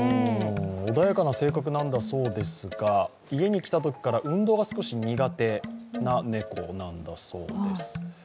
穏やかな性格なんだそうですが、家に来たときから運動が少し苦手な猫なんだそうです。